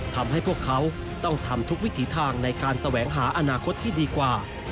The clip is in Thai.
ทำให้พวกเขาต้องทำทุกวิถีทางในการแสวงหาอนาคตที่ดีกว่า